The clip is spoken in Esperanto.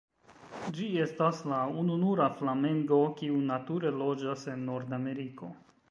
Ĝi estas la ununura flamengo kiu nature loĝas en Nordameriko.